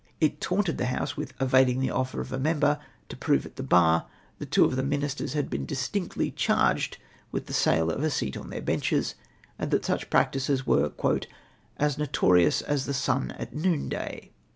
It taunted the House with evading the offer of a member to prove at the bar that two of the ministers had been distinctly charged with the sale of a seat on their benches, and that such })ractices w^ere " as notorious as the sun at noonday."